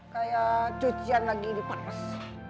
kayak cucian lagi di parmas